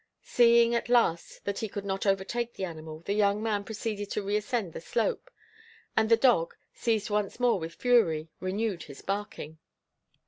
Seeing at last that he could not overtake the animal, the young man proceeded to reascend the slope, and the dog, seized once more with fury, renewed his barking.